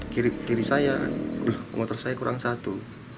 kiri kiri saya motor saya kurang satu